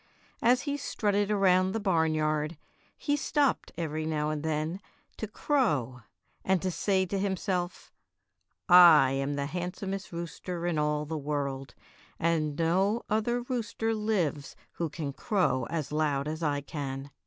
As he strutted around the barnyard he stopped every now and then to crow and to say to himself, 'T am the handsomest rooster in all the world, and no other rooster hves who can crow as loud as I can."